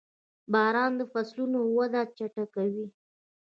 • باران د فصلونو وده چټکوي.